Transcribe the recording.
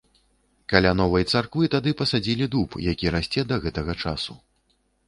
Каля новай царквы тады пасадзілі дуб, які расце да гэтага часу.